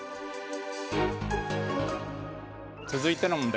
続いての問題